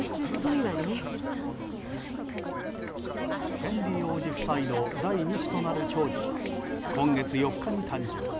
ヘンリー王子夫妻の第２子となる長女は今月４日に誕生。